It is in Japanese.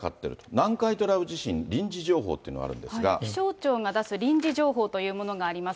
南海トラフ地震、臨時情報ってい気象庁が出す臨時情報というものがあります。